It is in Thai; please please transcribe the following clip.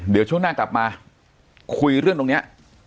เดี๋ยวช่วงหน้ากลับมาคุยเรื่องตรงนี้